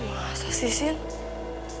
masa sih sini